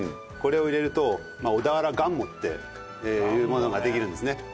これを入れると小田原がんもっていうものができるんですね。